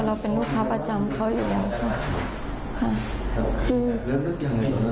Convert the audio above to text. เราเป็นงูกพาประจำเขาอยู่แล้วค่ะ